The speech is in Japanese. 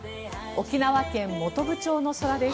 沖縄県本部町の空です。